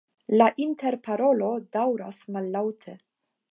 La interparolo daŭras mallaŭte.